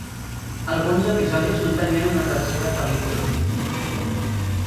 Alguns episodis no tenien una "tercera" pel·lícula.